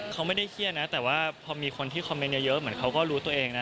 เขาไม่ได้เครียดนะแต่ว่าพอมีคนที่คอมเมนต์เยอะเหมือนเขาก็รู้ตัวเองนะ